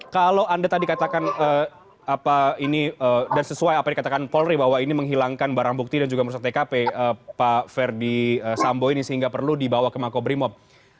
kalau anda tadi katakan dan sesuai apa yang dikatakan polri bahwa ini menghilangkan barang bukti dan juga merusak tkp pak ferdi sambo ini sehingga perlu dibawa ke makobrimob